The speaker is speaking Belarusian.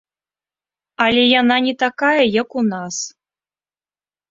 Але яна не такая, як у нас.